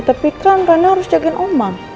tapi kan karena harus jaga omam